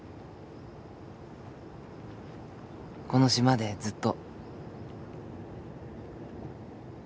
この島でずっと。